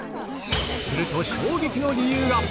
すると衝撃の理由が。